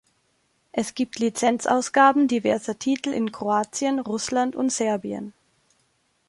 Es gibt Lizenzausgaben diverser Titel in Kroatien, Russland und Serbien.